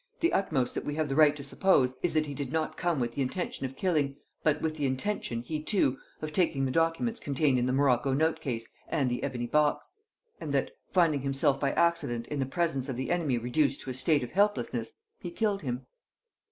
The utmost that we have the right to suppose is that he did not come with the intention of killing, but with the intention, he too, of taking the documents contained in the morocco note case and the ebony box; and that, finding himself by accident in the presence of the enemy reduced to a state of helplessness, he killed him."